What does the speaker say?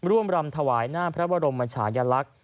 รำถวายหน้าพระบรมชายลักษณ์